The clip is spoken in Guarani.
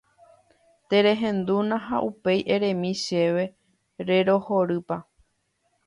Terehendúna ha upéi eremi chéve rerohorýpa.